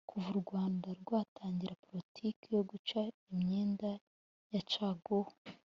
Kuva u Rwanda rwatangira politiki yo guca imyenda ya caguwa